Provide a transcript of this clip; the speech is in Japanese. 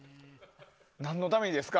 何のためにですか？